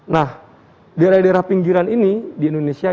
nah daerah daerah pinggiran ini di indonesia